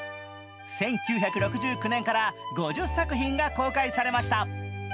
１９６９年から５０作品が公開されました。